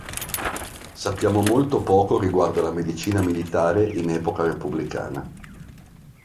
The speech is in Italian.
Sappiamo molto poco riguardo alla medicina militare in epoca repubblicana.